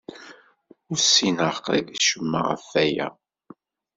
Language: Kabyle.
Ur ssineɣ qrib acemma ɣef waya.